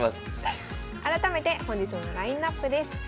改めて本日のラインナップです。